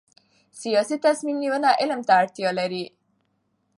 سیاسي تصمیم نیونه علم ته اړتیا لري